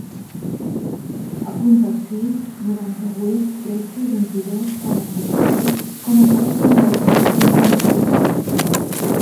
Apunta el sis, noranta-vuit, tretze, vint-i-dos, quaranta-quatre com a telèfon del Christian Ventura.